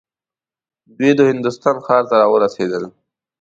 دوی د هندوستان ښار ته راورسېدل.